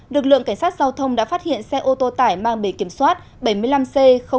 lực lượng cảnh sát giao thông đã phát hiện xe ô tô tải mang bề kiểm soát bảy mươi năm c bốn mươi bốn bảy mươi ba